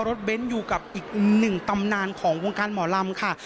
เน้นอยู่กับอีกหนึ่งตำนานของวงการหมอลำค่ะ